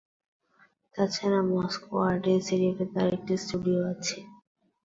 তাছাড়া Moscow art ইন্সটিটিউটে তার একটি স্টুডিও আছে।